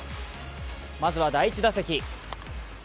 まずは第１打席。